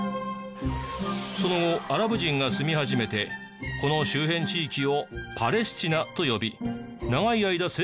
その後アラブ人が住み始めてこの周辺地域をパレスチナと呼び長い間生活をしていましたが。